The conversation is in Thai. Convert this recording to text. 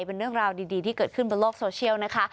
เป็นเรื่องราวดีที่เกิดขึ้นบนโลกโซเชียลนะคะ